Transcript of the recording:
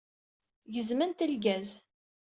Gezmemt lgaz!